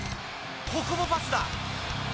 ここもパスだ。